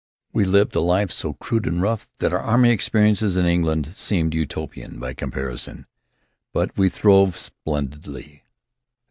We lived a life so crude and rough that our army experiences in England seemed Utopian by comparison. But we throve splendidly.